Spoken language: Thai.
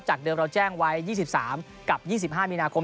เดิมเราแจ้งไว้๒๓กับ๒๕มีนาคม